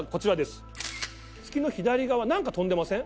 月の左側なんか飛んでません？